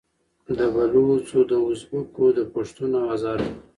د بــــلوچـــو، د اُزبـــــــــــــــــکو، د پــــښــــتــــون او هـــــزاره وو